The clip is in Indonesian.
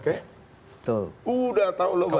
sudah tahu lebaran